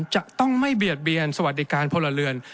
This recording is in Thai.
จะต้องไม่เบียดเบียนสวัสดิการพลเรือน